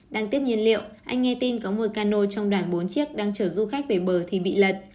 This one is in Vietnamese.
đang tiếp nhiên liệu anh nghe tin có mùi cano trong đảng bốn chiếc đang chở du khách về bờ thì bị lật